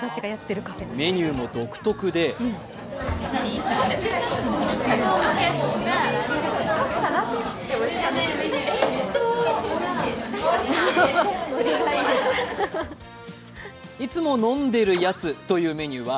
メニューも独特でいつも飲んでるやつというメニューは